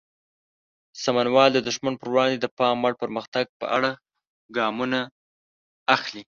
سمونوال د دښمن پر وړاندې د پام وړ پرمختګ په اړه ګامونه اخلي.